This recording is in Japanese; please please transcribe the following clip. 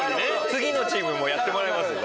次のチームもやってもらいます。